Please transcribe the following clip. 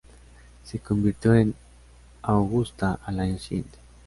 Se convirtió en "Augusta" al año siguiente.